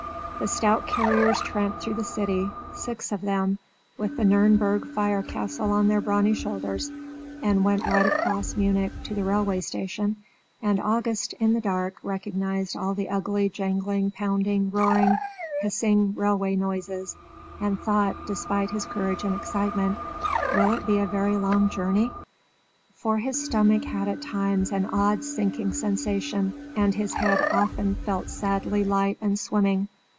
The stout carriers tramped through the city, six of them, with the Nürnberg fire castle on their brawny shoulders, and went right across Munich to the railway station, and August in the dark recognised all the ugly, jangling, pounding, roaring, hissing railway noises, and thought, despite his courage and excitement, "Will it be a very long journey?" For his stomach had at times an odd sinking sensation, and his head often felt sadly light and swimming.